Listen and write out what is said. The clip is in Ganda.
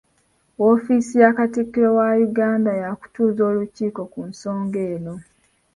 Woofiisi ya Katikkiro wa Uganda yaakutuuza olukiiko ku nsonga eno.